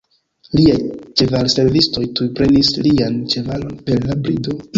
Liaj ĉevalservistoj tuj prenis lian ĉevalon per la brido.